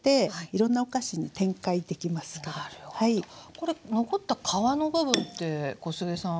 これ残った皮の部分って小菅さん